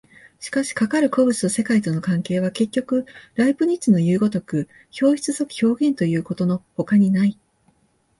しかしかかる個物と世界との関係は、結局ライプニッツのいう如く表出即表現ということのほかにない。